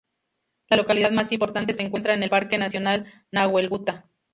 La localidad más importante se encuentra en el Parque Nacional Nahuelbuta.